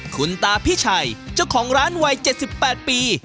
คุณตาพิชัยเจ้าของร้านวัย๗๘ปี